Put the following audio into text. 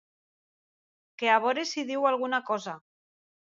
Que a veure si diu alguna cosa.